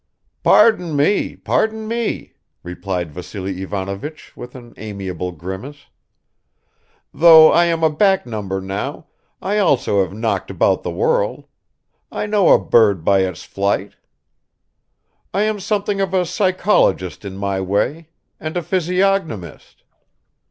"Pardon me, pardon me," replied Vassily Ivanovich with an amiable grimace. "Though I am a back number now, I also have knocked about the world I know a bird by its flight. I am something of a psychologist in my way, and a physiognomist.